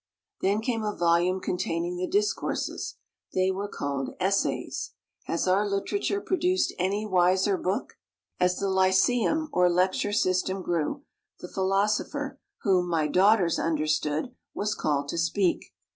Then came a volume containing the discourses. They were called Essays. Has our literature produced any wiser book? As the lyceum or lecture system grew, the philosopher whom "my daughters" understood was called to speak.